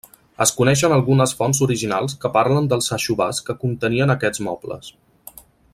Es coneixen algunes fonts originals que parlen dels aixovars que contenien aquests mobles.